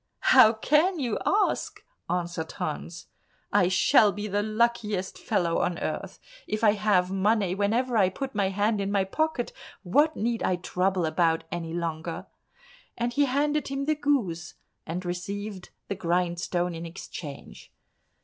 "How can you ask?" answered Hans. "I shall be the luckiest fellow on earth; if I have money whenever I put my hand in my pocket, what need I trouble about any longer?" and he handed him the goose and received the grindstone in exchange.